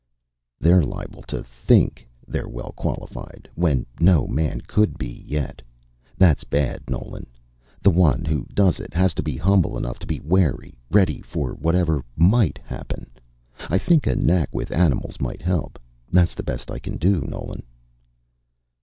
"They're liable to think they're well qualified, when no man could be yet. That's bad, Nolan. The one who does it has to be humble enough to be wary ready for whatever might happen. I think a knack with animals might help. That's the best I can do, Nolan."